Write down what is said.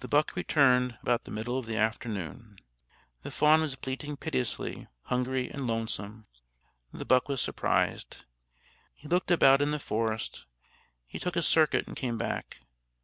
The buck returned about the middle of the afternoon. The fawn was bleating piteously, hungry and lonesome. The buck was surprised. He looked about in the forest. He took a circuit and came back.